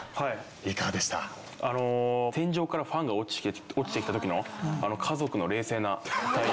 天井からファンが落ちてきたときのあの家族の冷静な対応。